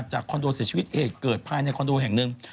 คอนโดเสียชีวิตเหตุเกิดภายในคอนโดแห่งหนึ่ง